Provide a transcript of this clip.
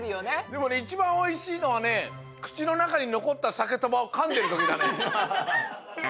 でもねいちばんおいしいのはねくちのなかにのこったサケとばをかんでるときだね。